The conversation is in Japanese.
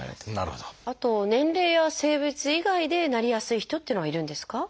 あと年齢や性別以外でなりやすい人っていうのはいるんですか？